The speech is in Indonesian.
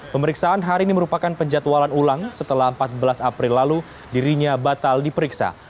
pemeriksaan hari ini merupakan penjatualan ulang setelah empat belas april lalu dirinya batal diperiksa